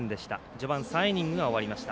序盤３イニングが終わりました。